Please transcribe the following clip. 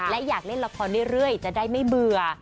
และอยากเล่นละครเรื่อยจะได้ไม่เบื่อ